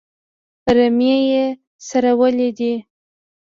رمې یې څرولې دي.